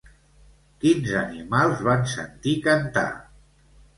Quins animals van sentir cantar?